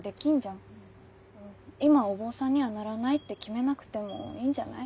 今お坊さんにはならないって決めなくてもいいんじゃない？